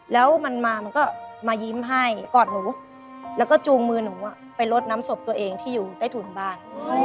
แล้วมันมามันก็มายิ้มให้กอดหนูแล้วก็จูงมือหนูไปลดน้ำศพตัวเองที่อยู่ใต้ถุนบ้าน